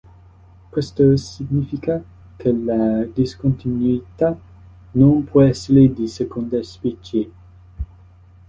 Questo significa che la discontinuità "non può essere di seconda specie".